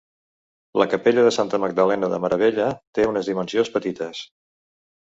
La capella de Santa Magdalena de Meravella té unes dimensions petites.